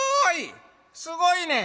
すごいね。